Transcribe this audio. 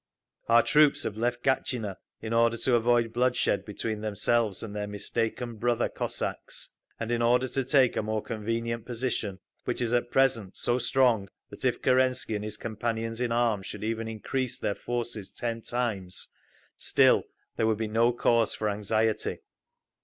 Our troops have left Gatchina in order to avoid bloodshed between themselves and their mistaken brother Cossacks, and in order to take a more convenient position, which is at present so strong that if Kerensky and his companions in arms should even increase their forces ten times, still there would be no cause for anxiety.